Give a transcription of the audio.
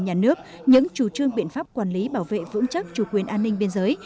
nhà nước những chủ trương biện pháp quản lý bảo vệ vững chắc chủ quyền an ninh biên giới